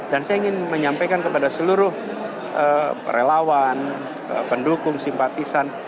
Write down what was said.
dan saya ingin menyampaikan kepada seluruh perelawan pendukung simpatisan